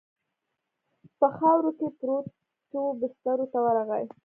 په خاورو کې پرتو بسترو ته ورغی.